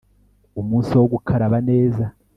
umunsi wo gukaraba neza